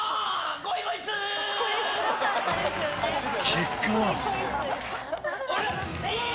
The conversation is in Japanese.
結果は。